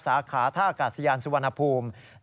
สาขาท่ากาศยานสุวรรณภูมิ